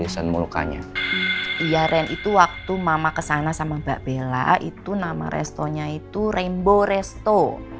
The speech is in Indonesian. iya ren itu waktu mama kesana sama mbak bella itu nama restonya itu rembo resto